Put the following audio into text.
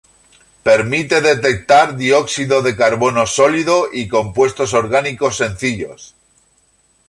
Permite detectar dióxido de carbono sólido y compuestos orgánicos sencillos.